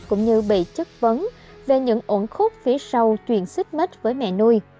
cũng như bị chức vấn về những ổn khúc phía sau chuyện xích mất với mẹ nuôi